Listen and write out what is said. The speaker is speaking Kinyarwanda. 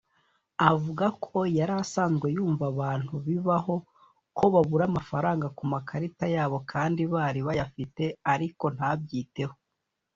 Avuga ko yari asanzwe yumva abantu bibaho ko babura amafaranga ku makarita yabo kandi bari bayafite ariko ntabyiteho